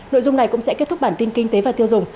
nội dung này cũng sẽ kết thúc bản tin kinh tế và tiêu dùng